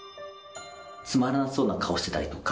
つまらなそうな顔してたりとか、